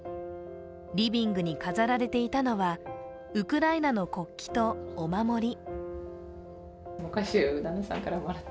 リビングに飾られていたのはウクライナの国旗とお守り。